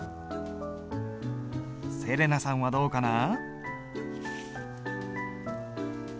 せれなさんはどうかな？